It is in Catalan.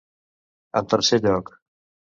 En tercer lloc.